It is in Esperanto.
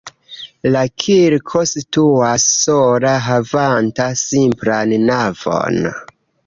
La kirko situas sola havanta simplan navon.